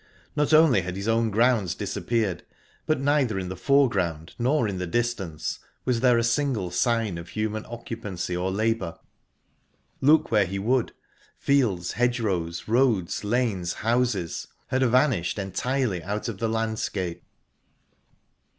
Not only had his own grounds disappeared, but neither in the foreground nor in the distance was there a single sign of human occupancy or labour. Look where he would, fields, hedgerows, roads, lanes, houses, had vanished entirely out of the landscape.